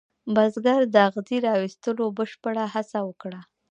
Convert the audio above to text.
بزګر د اغزي را ویستلو بشپړه هڅه وکړه.